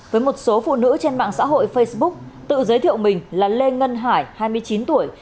với một số phụ nữ trên mạng xã hội facebook tự giới thiệu mình là lê ngân hải hai mươi chín tuổi